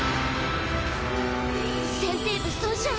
船底部損傷！